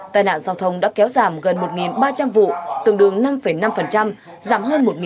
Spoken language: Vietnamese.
tài nạn giao thông đã kéo giảm gần một ba trăm linh vụ tương đương năm năm giảm hơn một chín trăm linh